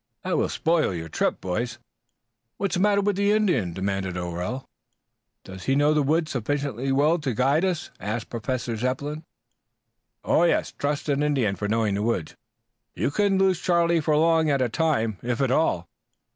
"That will spoil your trip." "What's the matter with the Indian?" demanded O'Rell. "Does he know the woods sufficiently well to be able to guide us?" asked Professor Zepplin. "Yes. Trust an Indian for knowing the woods. You couldn't lose Charlie for long at a time, if at all."